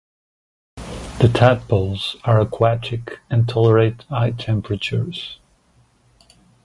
The tadpoles are aquatic and tolerate high temperatures.